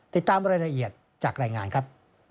ติดตามรายละเอียดจากรายงานครับ